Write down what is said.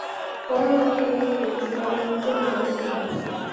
Fueron acciones principalmente marítimas.